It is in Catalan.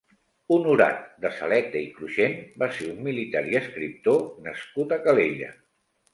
Honorat de Saleta i Cruxent va ser un militar i escriptor nascut a Calella.